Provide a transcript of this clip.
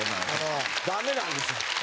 ダメなんですよ。